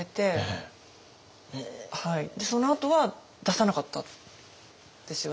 そのあとは出さなかったんですよね。